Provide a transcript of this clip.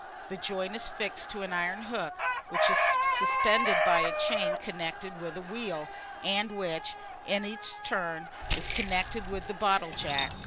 The joint is fixed to an iron hook, which is suspended by a chain connected with a wheel, and which, in its turn, is connected with the bottle jack.